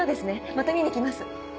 また見に来ます。